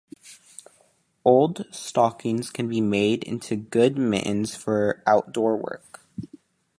Old stockings can be made into good mittens for outdoor work.